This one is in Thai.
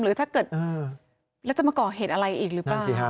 ถ้าเกิดแล้วจะมาก่อเหตุอะไรอีกหรือเปล่า